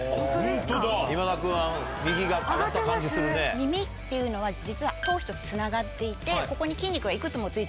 耳っていうのは実は頭皮とつながっていてここに筋肉がいくつもついてるんですね。